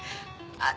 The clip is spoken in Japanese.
あっ。